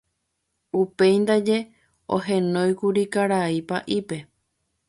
Upéi ndaje ohenóikuri karai pa'ípe.